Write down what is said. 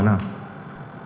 tidak ada hal lain